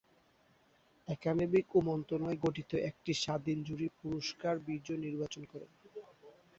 Academy ও মন্ত্রণালয়ের গঠিত একটি স্বাধীন জুরি পুরস্কার বিজয়ী নির্বাচন করেন।